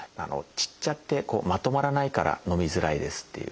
散っちゃってまとまらないからのみづらいですっていう。